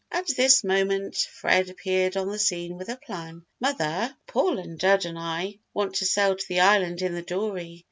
At this moment Fred appeared on the scene with a plan. "Mother, Paul and Dud and I want to sail to the Island in the dory.